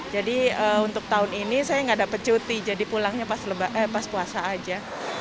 jadi untuk tahun ini saya nggak dapat cuti jadi pulangnya pas puasa aja